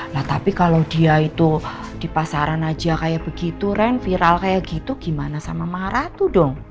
nah tapi kalau dia itu di pasaran aja kayak begitu ren viral kayak gitu gimana sama maratu dong